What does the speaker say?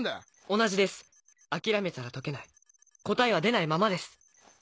同じです諦めたら解けない答えは出ないままです。